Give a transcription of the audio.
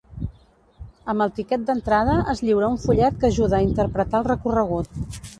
Amb el tiquet d'entrada es lliura un fullet que ajuda a interpretar el recorregut.